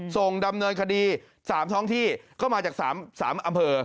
ส่งดำเนินคดี๓ท้องที่ก็มาจาก๓อำเภอ